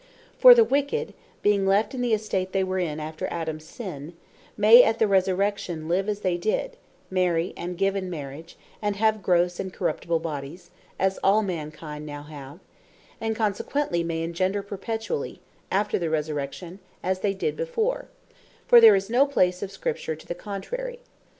For the wicked being left in the estate they were in after Adams sin, may at the Resurrection live as they did, marry, and give in marriage, and have grosse and corruptible bodies, as all mankind now have; and consequently may engender perpetually, after the Resurrection, as they did before: For there is no place of Scripture to the contrary.